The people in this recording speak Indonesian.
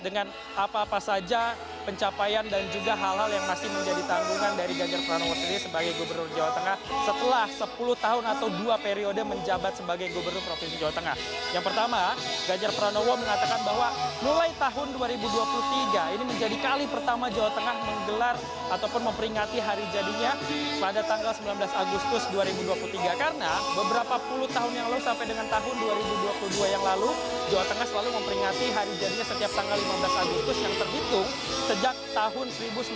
beberapa puluh tahun yang lalu sampai dengan tahun dua ribu dua puluh dua yang lalu jawa tengah selalu memperingati hari jadinya setiap tanggal lima belas agustus yang terhitung sejak tahun seribu sembilan ratus lima puluh